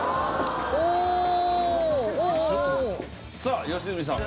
さあ良純さん。